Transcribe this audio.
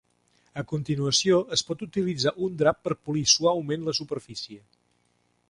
A continuació, es pot utilitzar un drap per polir suaument la superfície.